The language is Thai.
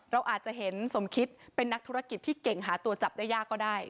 เราอาจจะเห็นสมคิดเป็นนักธุรกิจที่เก่งหาตัวจับได้ยากก็ได้